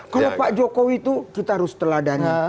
kalau pak jokowi itu kita harus teladani